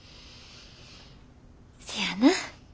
せやな。